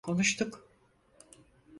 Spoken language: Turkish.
Konuştuk…